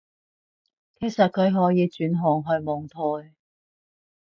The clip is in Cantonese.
其實佢可以轉行去網台